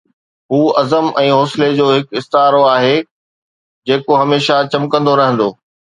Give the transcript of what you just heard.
هو عزم ۽ حوصلي جو هڪ استعارو آهي، جيڪو هميشه چمڪندو رهندو